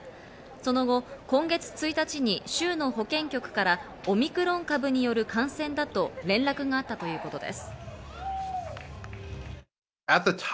その後、今月１日に州の保健局からオミクロン株による感染だと連絡があったということです。